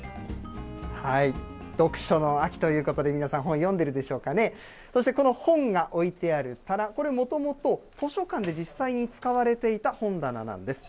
読書の秋ということで、皆さん、本、読んでるでしょうかね、そして、この本が置いてある棚、これ、もともと図書館で実際に使われていた本棚なんです。